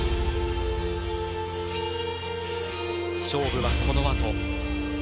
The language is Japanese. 勝負は、このあと。